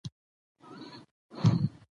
ساده عبارت یو خیال څرګندوي.